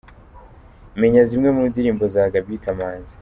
Menya zimwe mu ndirimbo za Gaby Kamanzi.